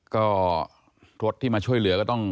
ก็รถที่มาช่วยเหลือก็ต้อง